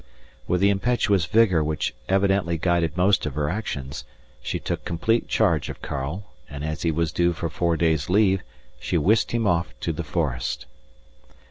_ _With the impetuous vigour which evidently guided most of her actions, she took complete charge of Karl, and, as he was due for four days' leave, she whisked him off to the forest.